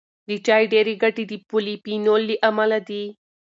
د چای ډېری ګټې د پولیفینول له امله دي.